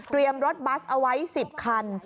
เตรียมรถบัสเอาไว้สิบคัน